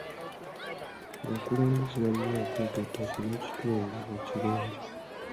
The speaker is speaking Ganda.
Abakulembeze balina okwegatta ku lw'ekitundu ekirungi.